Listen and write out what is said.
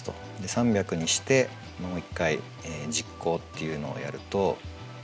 ３００にしてもう一回実行っていうのをやると。